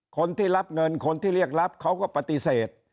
คนที่รับเงินคนที่เรียกรับเขาก็ปฏิเสธ